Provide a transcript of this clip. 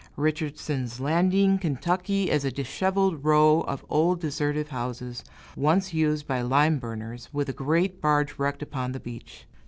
Richardson's Landing, Ky., is a disheveled row of old deserted houses, once used by lime burners, with a great barge wrecked upon the beach.